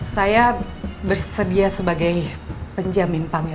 saya bersedia sebagai penjamin panggil